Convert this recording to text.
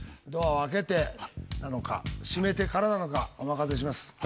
ドアを開けてなのか閉めてからなのかお任せします。